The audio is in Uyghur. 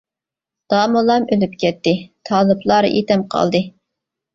داموللام ئۆلۈپ كەتتى، تالىپلار يېتىم قالدى.